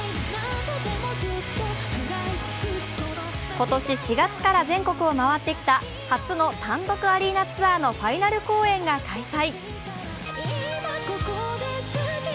今年４月から全国を回ってきた初の単独アリーナツアーのファイナル公演が開催。